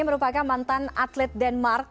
merupakan mantan atlet denmark